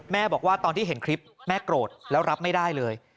บอกว่าตอนที่เห็นคลิปแม่โกรธแล้วรับไม่ได้เลย